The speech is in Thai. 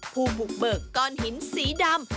ผู้บุกเบิกก้อนหินสีดำ